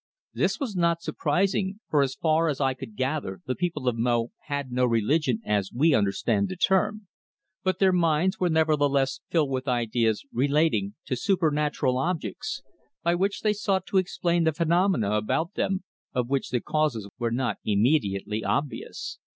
This was not surprising, for as far as I could gather the people of Mo had no religion as we understand the term, but their minds were nevertheless filled with ideas relating to supernatural objects, by which they sought to explain the phenomena about them of which the causes were not immediately obvious.